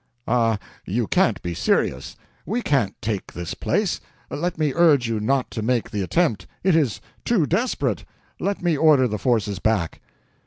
"Ah, you can't be serious! We can't take this place; let me urge you not to make the attempt; it is too desperate. Let me order the forces back."